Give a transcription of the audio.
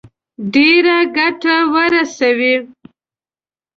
ډېره ګټه ورسوي.